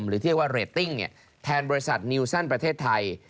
หรือเรตติ้งแทนบริษัทนิวสันประเทศไทย